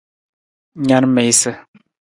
Na na miisa.